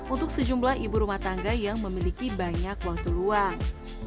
untuk sejumlah ibu rumah tangga yang memiliki banyak waktu luang